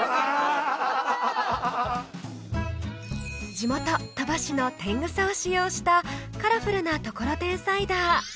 地元鳥羽市の天草を使用したカラフルなところてんサイダー。